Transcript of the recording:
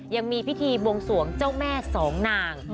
ยังมีพิธีวงศวงภรรณ์เจ้าแม่๒นาง